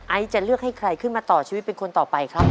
จะเลือกให้ใครขึ้นมาต่อชีวิตเป็นคนต่อไปครับ